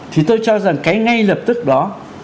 thì tôi cho rằng cái ngay lập tức đó